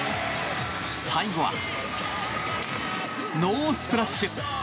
最後はノースプラッシュ。